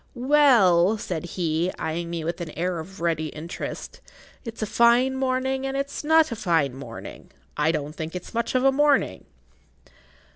"Well," said he, eying me with an air of ready interest, "it's a fine morning and it's not a fine morning. I don't think it's much of a morning."